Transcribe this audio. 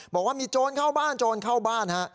บอกว่ามีโจรเข้าบ้านโจรเข้าบ้านฮะ